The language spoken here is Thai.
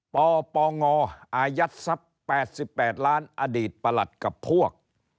ปปงอายัดทรัพย์๘๘ล้านอดีตประหลัดกับพวก